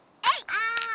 あ！